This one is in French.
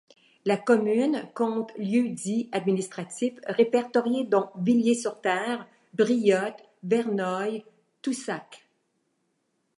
La commune compte lieux-dits administratifs répertoriés dont Villiers-sur-terre, Briotte, Vernoy, Toussacq.